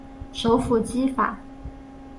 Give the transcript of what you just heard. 首府基法。